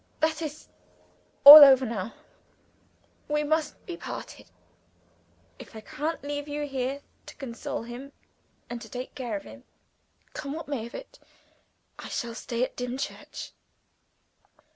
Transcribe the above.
"That is all over now. We must be parted. If I can't leave you here to console him and to take care of him, come what may of it I shall stay at Dimchurch."